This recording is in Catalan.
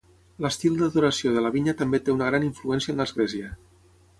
L'estil d'adoració de la Vinya també té una gran influència en l'església.